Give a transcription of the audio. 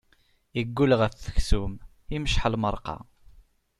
Iggul ɣef uksum, imceḥ lmeṛqa.